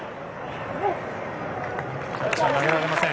キャッチャー、投げられません。